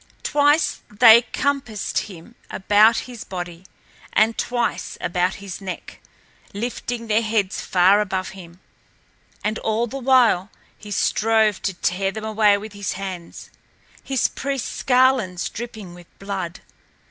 Twice they compassed him about his body, and twice about his neck, lifting their heads far above him. And all the while he strove to tear them away with his hands, his priest's garlands dripping with blood.